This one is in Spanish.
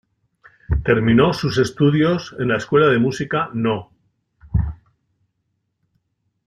Terminó sus estudios en la escuela de música No.